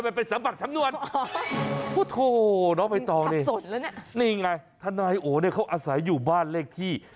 เป็นสำหรักสำนวนโอ้โธน้องไปต่อเลยนี่ไงท่านนายโอ๋เนี่ยเขาอาศัยอยู่บ้านเลขที่